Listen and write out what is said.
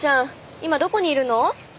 今どこにいるの？